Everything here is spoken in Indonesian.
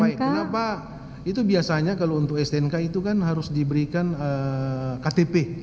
kenapa itu biasanya kalau untuk stnk itu kan harus diberikan ktp